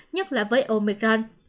nhất là với omicron